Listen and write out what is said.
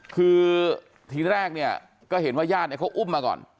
คือทีแรกเนี่ยก็เห็นว่าญาติเนี่ยเขาอุ้มมาก่อน